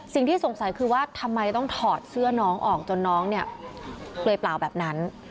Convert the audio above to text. สิ่งที่สงสัยคือว่าทำไมต้องถอดเสื้อน้องออกจนน้องเนี่ยเปลือยเปล่าแบบนั้น